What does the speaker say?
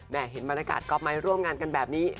แหน่งเห็นบรรทกาศก็ไมการร่วมงานกันแบบนี้